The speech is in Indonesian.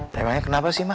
tengahnya kenapa sih ma